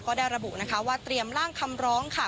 ก็ได้ระบุนะคะว่าเตรียมล่างคำร้องค่ะ